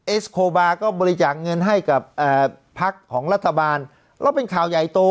สโคบาก็บริจาคเงินให้กับพักของรัฐบาลแล้วเป็นข่าวใหญ่โต